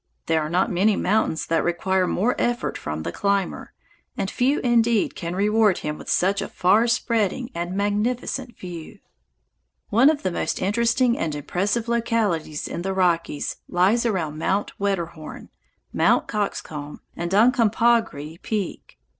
There are not many mountains that require more effort from the climber, and few indeed can reward him with such a far spreading and magnificent view. [Illustration: IN THE UNCOMPAHGRE MOUNTAINS] One of the most interesting and impressive localities in the Rockies lies around Mt. Wetterhorn, Mt. Coxcomb, and Uncompahgre Peak.